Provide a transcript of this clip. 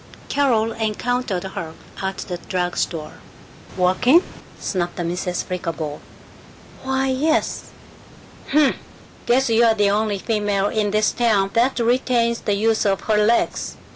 Carol encountered her at the drug store. "Walking?" snapped Mrs. Flickerbaugh. "Why, yes." "Humph. Guess you're the only female in this town that retains the use of her legs.